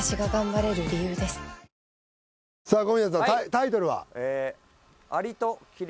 タイトルは？